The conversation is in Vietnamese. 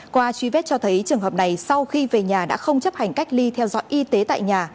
qua truy vết cho thấy trường hợp này sau khi về nhà đã không chấp hành cách ly theo dõi y tế tại nhà